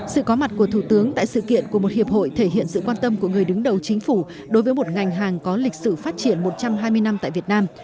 sự có mặt của thủ tướng tại sự kiện của một hiệp hội thể hiện sự quan tâm của người đứng đầu chính phủ đối với một ngành hàng có lịch sử phát triển một trăm hai mươi năm tại việt nam